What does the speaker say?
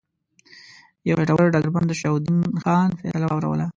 یو خیټور ډګرمن د شجاع الدین خان فیصله واوروله.